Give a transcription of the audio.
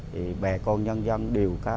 thì bè con nhân dân đều có nhà